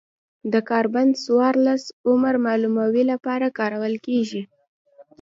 د کاربن څورلس عمر معلومولو لپاره کارول کېږي.